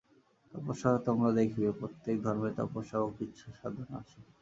তপস্যা তোমরা দেখিবে, প্রত্যেক ধর্মেই তপস্যা ও কৃচ্ছ্রসাধন আছে।